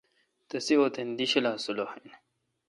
تسے° وطن دی ڄھلا سلُوخ این۔